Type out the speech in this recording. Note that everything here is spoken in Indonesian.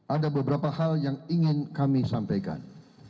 ada beberapa hal yang ingin kami sampaikan